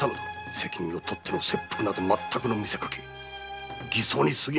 責任をとっての切腹など全くの見せかけにすぎぬ。